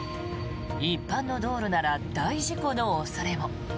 一般の道路なら大事故の恐れも。